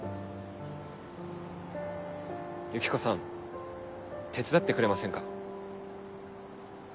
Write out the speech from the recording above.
ユキコさん手伝ってくれませんか？